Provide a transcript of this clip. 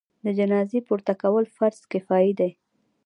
د جنازې پورته کول فرض کفایي دی.